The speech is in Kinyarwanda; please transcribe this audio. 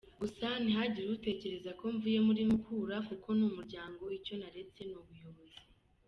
Gusa ntihagire utekereza ko mvuye muri Mukura kuko ni umuryango, icyo naretse ni ubuyobozi.